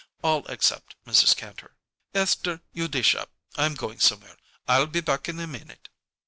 All except Mrs. Kantor. "Esther, you dish up. I'm going somewhere. I'll be back in a minute."